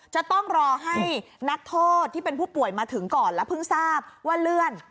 จะต้องรอให้นักโทษที่เป็นผู้ป่วยมาถึงก่อนแล้วเพิ่งทราบว่าเลื่อน